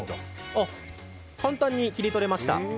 あっ、簡単に切り取れました。